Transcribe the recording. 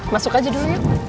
masuk aja dulu ya